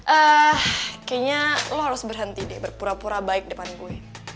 eh kayaknya lo harus berhenti deh berpura pura baik depan gue